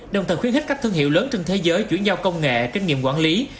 đồng thời khuyến khích các thương hiệu lớn trên thế giới chuyển giao công nghệ kinh nghiệm quản lý